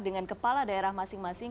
dengan kepala daerah masing masing